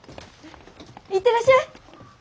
行ってらっしゃい。